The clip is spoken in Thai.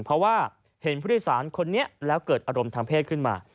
เพราะว่าเห็นผู้โดยสารคนนี้แล้วเกิดอารมณ์ทางเพศขึ้นมา